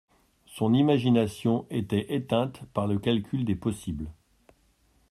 Son imagination était éteinte par le calcul des possibles.